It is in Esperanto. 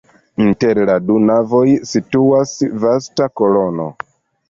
Inter la du navoj situas vasta kolono.